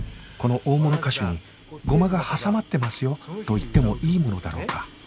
この大物歌手に「ゴマが挟まってますよ」と言ってもいいものだろうか